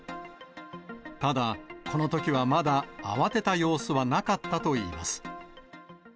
ただ、このときはまだ慌てた様子はなかったといいます。